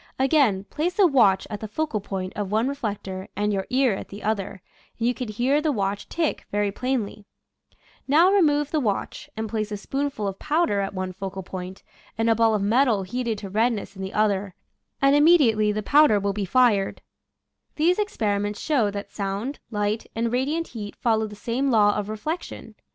Again, place a watch at the focal point of one reflector and your ear at the other, and you can hear the watch tick very plainly. Now remove the watch and place a spoonful of powder at one (~~|, Original from :{<~ UNIVERSITY OF WISCONSIN ■RaDlation ot 1>eat. 151 focal point and a ball of metal heated to red ness in the other, and immediately the powder will be fired. These experiments show that sound, light, and radiant heat follow the same law of re flection.